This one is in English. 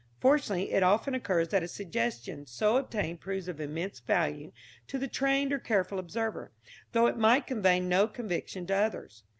Fortunately it often occurs that a suggestion so obtained proves of immense value to the trained or careful observer, though it might convey no conviction to others.